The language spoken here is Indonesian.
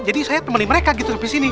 jadi saya temani mereka gitu sampai sini